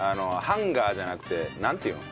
ハンガーじゃなくてなんていうん？